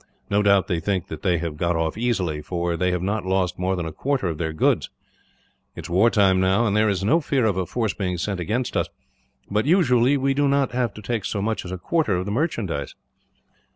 No doubt they think that they have got off easily, for they have not lost more than a quarter of their goods. It is war time now, and there is no fear of a force being sent against us; but usually we do not take so much as a quarter of the merchandise.